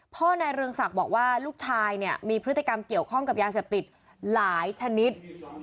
พ่อนายเรืองศักดิ์บอกว่าลูกชายเนี่ยมีพฤติกรรมเกี่ยวข้องกับยาเสพติดหลายชนิด